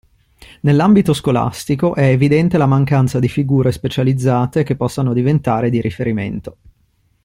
Nell'ambito scolastico è evidente la mancanza di figure specializzate che possano diventare di riferimento.